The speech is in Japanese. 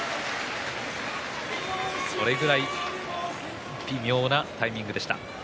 それぐらいに微妙なタイミングでした。